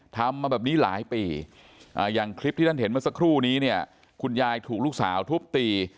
ทำมาแบบนี้หลายปีอย่างคลิปที่ท่านเห็นเมื่อสักครู่นี้เนี่ยคุณยายถูกลูกสาวทุบตี